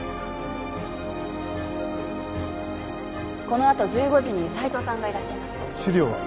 このあと１５時に斎藤さんがいらっしゃいます資料は？